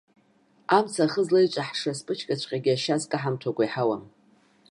Амца ахы злеиҿаҳкша асԥычкаҵәҟьагьы ашьа азкаҳамҭәакәа иҳауам.